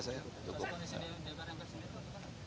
pasukan di sini di barangkas ini apa